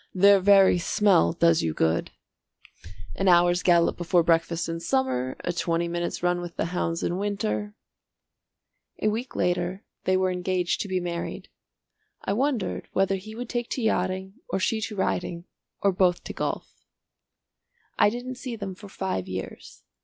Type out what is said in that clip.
"Their very smell does you good. An hour's gallop before breakfast in summer, a twenty minutes' run with the hounds in winter " A week later they were engaged to be married. I wondered whether he would take to yachting or she to riding or both to golf. I didn't see them for five years.